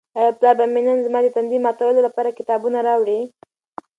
آیا پلار به مې نن زما د تندې د ماتولو لپاره کتابونه راوړي؟